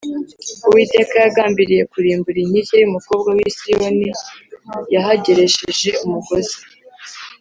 Uwiteka yagambiriye kurimbura inkike y’umukobwa w’i Siyoni, Yahageresheje umugozi.